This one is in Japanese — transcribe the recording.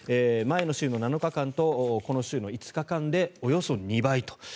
前の週の７日間とこの週の５日間でおよそ２倍と。